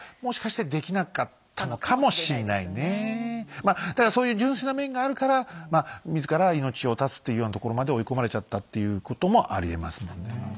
まあだからそういう純粋な面があるから自ら命を絶つっていうようなところまで追い込まれちゃったっていうこともありえますもんね。